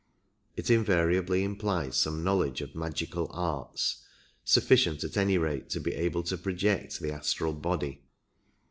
It invariably implies some knowledge of magical arts — sufficient at any rate to be able to project the astral body.